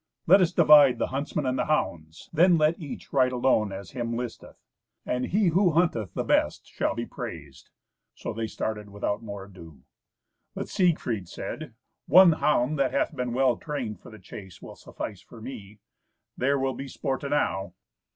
Let us divide the huntsmen and the hounds; then let each ride alone as him listeth, and he who hunteth the best shall be praised." So they started without more ado. But Siegfried said, "One hound that hath been well trained for the chase will suffice for me. There will be sport enow!"